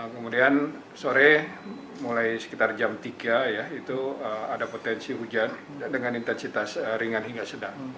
kemudian sore mulai sekitar jam tiga ya itu ada potensi hujan dengan intensitas ringan hingga sedang